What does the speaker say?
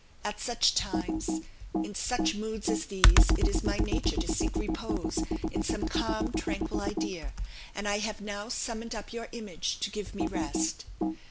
At such times in such moods as these it is my nature to seek repose in some calm tranquil idea, and I have now summoned up your image to give me rest.